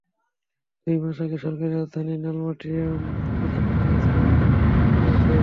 দুই মাস আগে সরকার রাজধানীর লালমাটিয়ার পিস ইন্টারন্যাশনাল স্কুলের নিবন্ধন বাতিল করেছে।